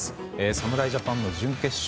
侍ジャパンの準決勝